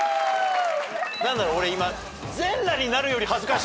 何だろう俺今。